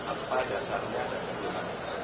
apa dasarnya dan bagaimana